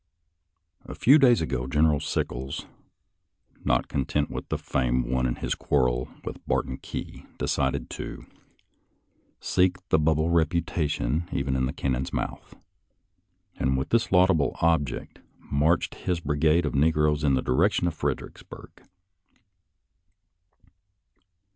A few days ago General Sickles, not content with the fame won in his quarrel with Barton Key, decided to " Seek the bubble reputation Even in the cannon's mouth," and with this laudable object marched his brigade of negroes in the direction of Fredericks burg.